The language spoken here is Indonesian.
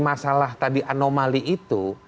masalah tadi anomali itu